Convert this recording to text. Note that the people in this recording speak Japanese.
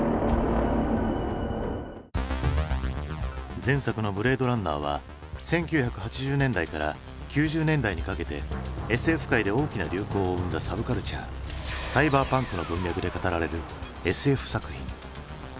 前作の「ブレードランナー」は１９８０年代から９０年代にかけてＳＦ界で大きな流行を生んだサブカルチャー「サイバーパンク」の文脈で語られるＳＦ作品。